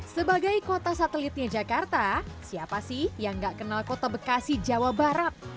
sebagai kota satelitnya jakarta siapa sih yang gak kenal kota bekasi jawa barat